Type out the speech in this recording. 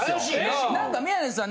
何か宮根さん